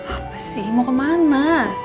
apa sih mau kemana